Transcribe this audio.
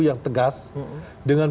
yang tegas dengan